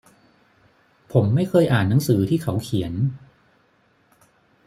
ผมไม่เคยอ่านหนังสือที่เขาเขียน